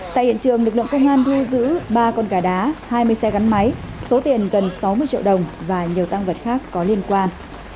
tại hiện trường lực lượng công an thu giữ ba con gà đá hai mươi xe gắn máy số tiền gần sáu mươi triệu đồng và nhiều tăng vật khác có liên quan